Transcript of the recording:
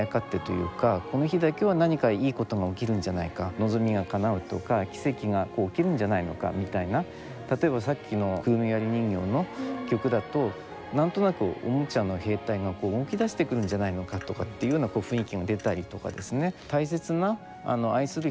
望みがかなうとか奇跡が起きるんじゃないのかみたいな例えばさっきの「くるみ割り人形」の曲だと何となくおもちゃの兵隊が動きだしてくるんじゃないのかとかっていうような雰囲気が出たりとかですね